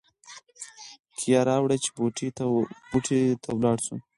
کیه راوړه چې بوټي ته ولاړ شو.